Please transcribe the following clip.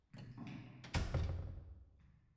Mening qo’limdan hech narsa kelmaydi.